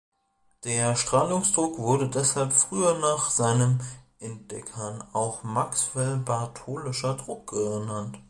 Der Strahlungsdruck wurde deshalb früher nach seinen Entdeckern auch Maxwell-bartolischer Druck genannt.